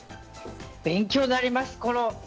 勉強になります。